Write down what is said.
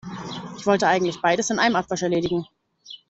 Ich wollte eigentlich beides in einem Abwasch erledigen.